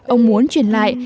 ông muốn chuyển lại